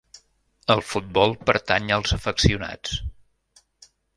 El futbol pertany als afeccionats.